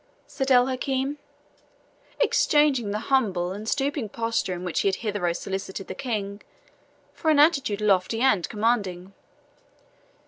said El Hakim, exchanging the humble and stooping posture in which he had hitherto solicited the King, for an attitude lofty and commanding.